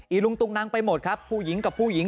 ลุงตุงนังไปหมดครับผู้หญิงกับผู้หญิง